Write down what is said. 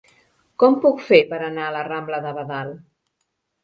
Com ho puc fer per anar a la rambla de Badal?